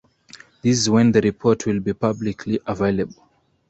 This is when the report will be publicly available.